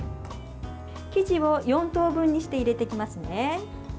生地を４等分にして入れていきますね。